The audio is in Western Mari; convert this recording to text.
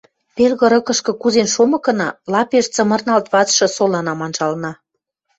Пел кырыкышкы кузен шомыкына, лапеш цымырналт вацшы соланам анжална.